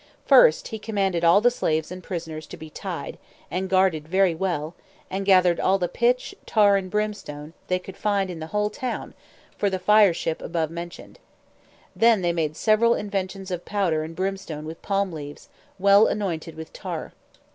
First, he commanded all the slaves and prisoners to be tied, and guarded very well, and gathered all the pitch, tar, and brimstone, they could find in the whole town, for the fire ship above mentioned; then they made several inventions of powder and brimstone with palm leaves, well annointed with tar.